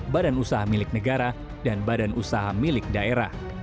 badan usaha milik negara dan badan usaha milik daerah